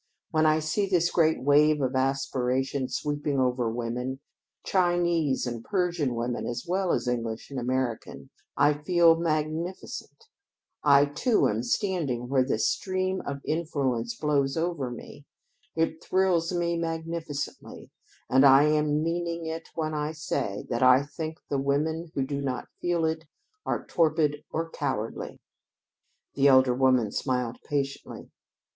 When I see this great wave of aspiration sweeping over women, Chinese and Persian women as well as English and American, I feel magnificent. I, too, am standing where the stream of influence blows over me. It thrills me magnificently, and I am meaning it when I say that I think the women who do not feel it are torpid or cowardly." The elder woman smiled patiently.